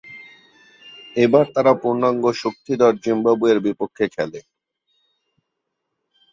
এবার তারা পূর্ণাঙ্গ শক্তিধর জিম্বাবুয়ের বিপক্ষে খেলে।